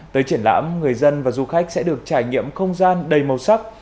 tới triển lãm người dân và du khách sẽ được trải nghiệm không gian đầy màu sắc